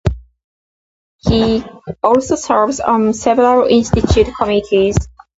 He also serves on several institute committees.